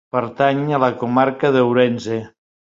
Pertany a la Comarca d'Ourense.